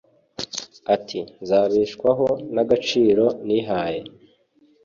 ati nzabeshwaho n’agaciro nihaye